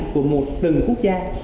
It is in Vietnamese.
của một từng quốc gia